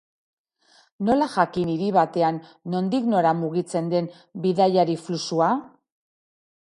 Nola jakin hiri batean nondik nora mugitzen den bidaiari-fluxua?